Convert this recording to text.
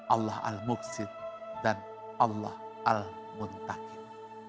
allah al muqsid dan allah al mu'l takim